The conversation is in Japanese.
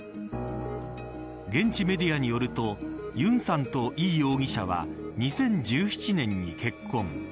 現地メディアによるとユンさんとイ容疑者は２０１７年に結婚。